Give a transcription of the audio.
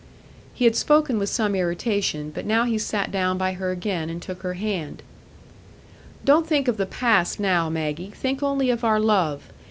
He had spoken with some irritation, but now he sat down by her again and took her hand. "Don't think of the past now, Maggie; think only of our love.